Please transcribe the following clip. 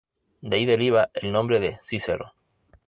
De ahí deriva el nombre de "cícero".